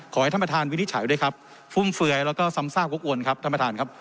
ขอให้ท่านประธานวินิจฉัยด้วยครับฟุ่มเฟือยแล้วก็ซ้ำซากวกวนครับท่านประธานครับ